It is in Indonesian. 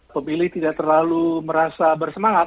pemilih tidak terlalu merasa bersemangat